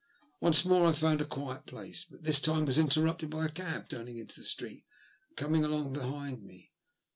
Once more I found a quiet place, but this time I was interrupted by a cab turning into the street and coming along behind me.